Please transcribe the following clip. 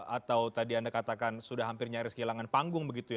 atau tadi anda katakan sudah hampir nyaris kehilangan panggung begitu ya